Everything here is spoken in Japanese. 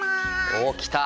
おおきた！